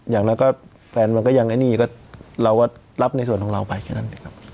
อย่างนั้นก็แฟนมันก็ยังไอ้นี่ก็เราก็รับในส่วนของเราไปแค่นั้นเลยครับ